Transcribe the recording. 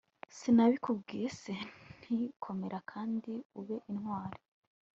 sinabikubwiye se nti 'komera kandi ube intwari'